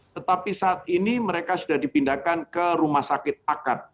tetapi saat ini mereka sudah dipindahkan ke rumah sakit akad